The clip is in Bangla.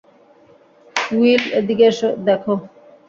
উইল, এদিকে দেখো।